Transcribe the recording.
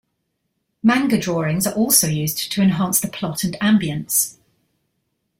Manga drawings are also used to enhance the plot and ambiance.